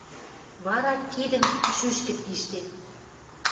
Вара, кидӹм шӱшкӹ пиштен